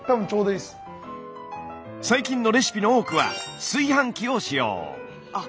最近のレシピの多くは炊飯器を使用。